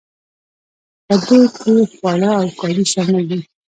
په دې کې خواړه او کالي شامل دي.